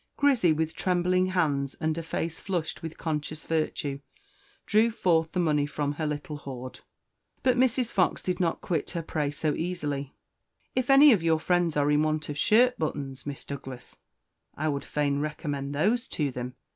Grizzy, with trembling hands, and a face flushed with conscious virtue, drew forth the money from her little hoard. But Mrs. Fox did not quit her prey so easily. "If any of your friends are in want of shirt buttons, Miss Douglas, I would fain recommend those to them.